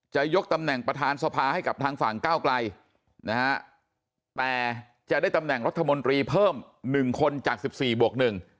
จะยกตำแหน่งประธานสภาให้กับทางฝั่งก้าวไกลนะฮะแต่จะได้ตำแหน่งรัฐมนตรีเพิ่ม๑คนจาก๑๔บวก๑